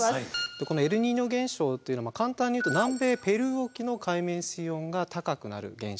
このエルニーニョ現象というのは簡単に言うと南米ペルー沖の海面水温が高くなる現象なんですよね。